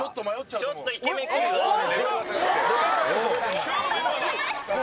ちょっとイケメン来るよ。